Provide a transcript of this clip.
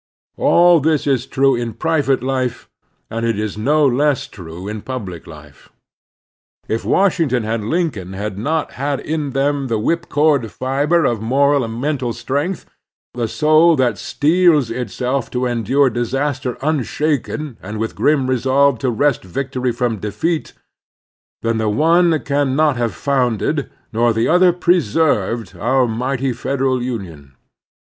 All this is true in private life, and it is no less true in pubUc life. If Washington and Lincoln had not had in them the Manhood and Statehood 245 whipcord fiber of moral and mental strength, the soul that steels itself to endure disaster tmshaken and with grim resolve to wrest victory from defeat, then the one could not have founded, nor the other preserved, our mighty federal Union.